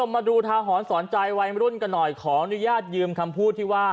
มาดูทาหรณ์สอนใจวัยมรุ่นกันหน่อยขออนุญาตยืมคำพูดที่ว่า